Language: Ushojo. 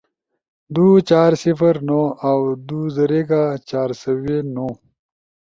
دُو، چار، صفر، نو“ اؤ دُو زریگا، چار سوی نو“۔